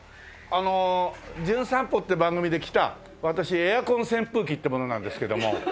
あの『じゅん散歩』って番組で来た私エアコン扇風機って者なんですけども。